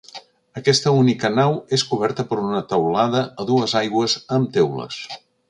Aquesta única nau és coberta per una teulada a dues aigües amb teules.